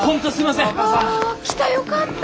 あ来たよかった。